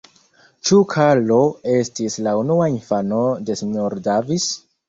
Ĉu Karlo estis la unua infano de S-ro Davis?